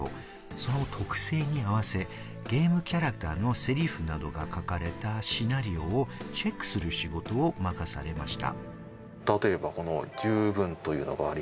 その特性に合わせ、ゲームキャラクターのセリフなどが書かれたシナリオをチェックする仕事を任されました。